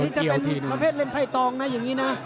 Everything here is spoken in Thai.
นี่จะเป็นประเภทเล่นไพ่ตองนะอย่างนี้นะ